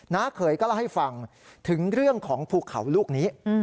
เขยก็เล่าให้ฟังถึงเรื่องของภูเขาลูกนี้